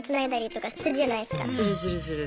するするする。